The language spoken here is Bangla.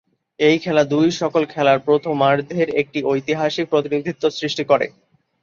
এই খেলা দুটি সকল খেলার প্রথমার্ধের একটি ঐতিহাসিক প্রতিনিধিত্ব সৃষ্টি করে।